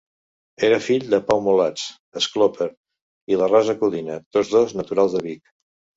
Era fill de Pau Malats, escloper, i de Rosa Codina, tots dos naturals de Vic.